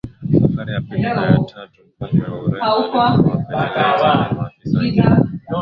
Safari ya pili na ya tatu Mfalme wa Ureno alituma wapelelezi na maafisa wengine